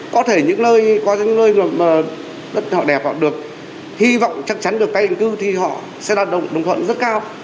có thể những nơi có những nơi mà họ đẹp họ được hy vọng chắc chắn được tay hình cư thì họ sẽ đạt đồng thuận rất cao